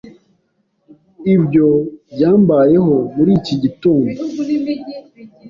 Ibyo byambayeho muri iki gitondo.